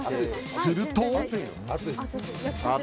［すると］